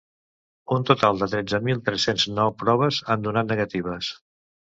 Un total de tretze mil tres-cents nou proves han donat negatives.